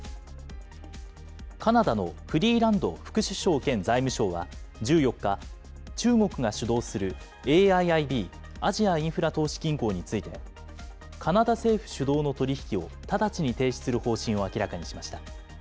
カナダのフリーランド副首相兼財務相は１４日、中国が主導するＡＩＩＢ・アジアインフラ投資銀行について、カナダ政府主導の取り引きを直ちに停止する方針を明らかにしました。